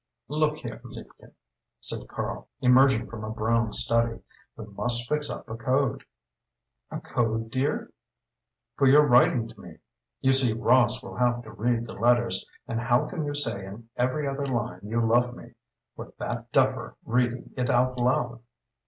"Look here, liebchen," said Karl, emerging from a brown study, "we must fix up a code." "A code, dear?" "For your writing to me. You see Ross will have to read the letters, and how can you say in every other line you love me, with that duffer reading it out loud?"